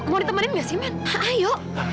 mau ditemenin gak sih men ayo